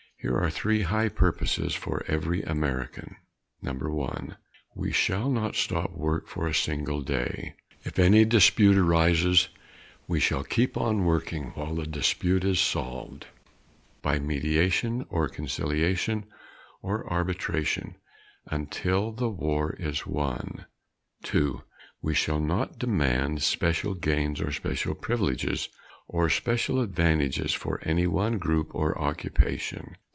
Here are three high purposes for every American: 1. We shall not stop work for a single day. If any dispute arises we shall keep on working while the dispute is solved by mediation, or conciliation or arbitration until the war is won. 2. We shall not demand special gains or special privileges or special advantages for any one group or occupation.